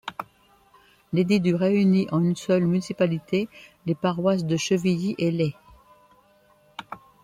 L’édit du réunit en une seule municipalité les paroisses de Chevilly et Lay.